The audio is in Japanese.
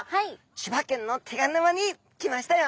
千葉県の手賀沼に来ましたよ！